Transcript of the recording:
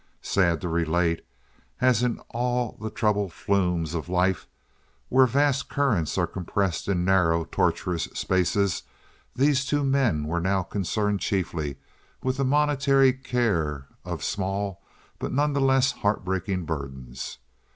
Sad to relate, as in all the troubled flumes of life where vast currents are compressed in narrow, tortuous spaces, these two men were now concerned chiefly with the momentary care of small but none the less heartbreaking burdens.